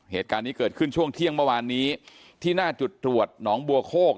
เหตุการณ์นี้เกิดขึ้นช่วงเที่ยงเมื่อวานนี้ที่หน้าจุดตรวจหนองบัวโคก